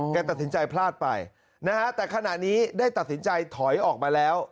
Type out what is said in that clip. ตัดสินใจพลาดไปนะฮะแต่ขณะนี้ได้ตัดสินใจถอยออกมาแล้ว